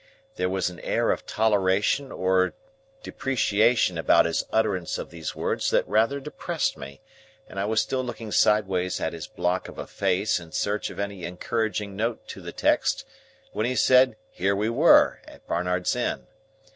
There was an air of toleration or depreciation about his utterance of these words that rather depressed me; and I was still looking sideways at his block of a face in search of any encouraging note to the text, when he said here we were at Barnard's Inn.